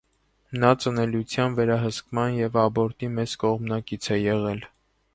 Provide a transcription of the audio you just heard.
Նա ծնելիության վերահսկման և աբորտի մեծ կողմնակից է եղել։